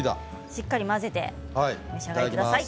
しっかり混ぜてお召し上がりください。